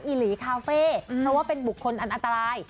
หลีคาเฟ่เพราะว่าเป็นบุคคลอันอันตราย